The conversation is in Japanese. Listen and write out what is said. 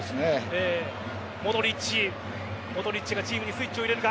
モドリッチがチームにスイッチを入れるか。